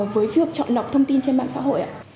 với việc chọn lọc thông tin trên mạng xã hội ạ